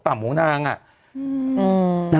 ปุ๊บปุ๊บ